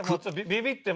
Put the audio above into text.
「ビビって。